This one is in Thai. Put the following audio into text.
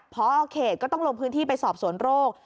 พอเขตก็ต้องลงพื้นที่ไปสอบสวนโรค